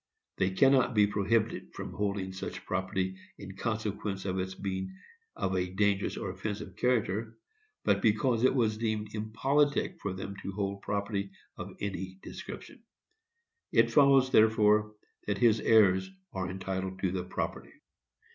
They cannot be prohibited from holding such property in consequence of its being of a dangerous or offensive character, but because it was deemed impolitic for them to hold property of any description. It follows, therefore, that his heirs are entitled to the property.